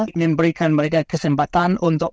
ingin berikan mereka kesempatan untuk